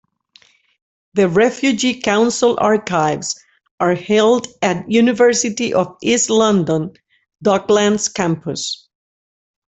The Refugee Council Archives are held at University of East London, Docklands Campus.